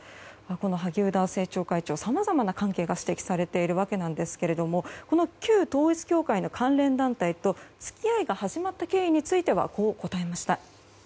この萩生田政調会長さまざまな関係が指摘されているわけですがこの旧統一教会の関連団体と付き合いが始まった経緯についてはこう答えました。